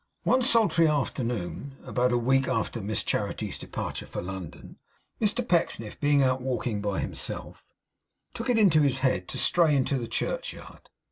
One sultry afternoon, about a week after Miss Charity's departure for London, Mr Pecksniff being out walking by himself, took it into his head to stray into the churchyard.